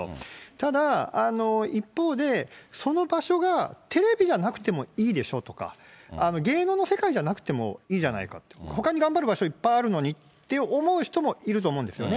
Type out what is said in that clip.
ただ一方で、その場所がテレビじゃなくてもいいでしょとか、芸能の世界じゃなくてもいいじゃないか、ほかに頑張る場所いっぱいあるのにって思う人もいると思うんですよね。